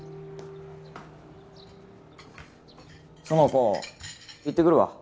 苑子行ってくるわ。